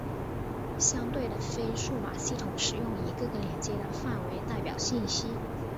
相对的非数码系统使用一个个连续的范围代表信息。